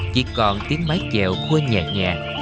chỉ còn tiếng mái chẹo khuôn nhẹ nhàng